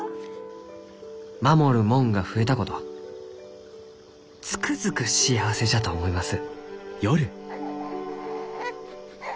「守るもんが増えたことつくづく幸せじゃと思います」。